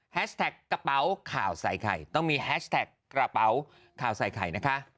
แท็กกระเป๋าข่าวใส่ไข่ต้องมีแฮชแท็กกระเป๋าข่าวใส่ไข่นะคะ